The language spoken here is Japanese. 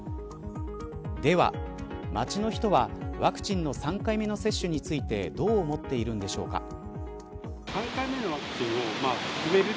では、街の人はワクチンの３回目の接種についてどう思っているのでしょうか。